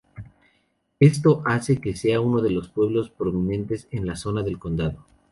Esto hace que sea uno de los pueblos prominentes en la zona del condado.